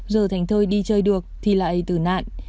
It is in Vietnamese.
giờ thành thơi đi chơi được thì lại tử nạn